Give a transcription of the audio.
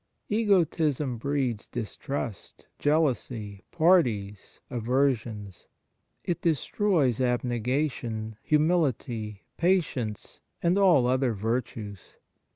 Egotism breeds distrust, jealousy, parties, aversions. It destroys abnegation, humility, patience, and all other virtues.